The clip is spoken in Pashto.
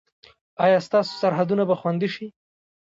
ایا ستاسو سرحدونه به خوندي شي؟